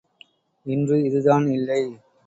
இன்று இதுதான் இல்லை.